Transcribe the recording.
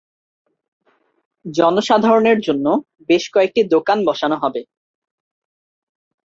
জনসাধারণের জন্য বেশ কয়েকটি দোকান বসানো হবে।